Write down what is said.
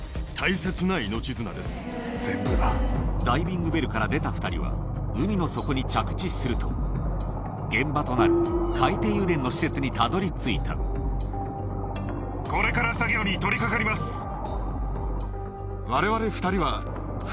ダイビングベルから出た２人は海の底に着地すると現場となる海底油田の施設にたどり着いたこれから。を行っていました。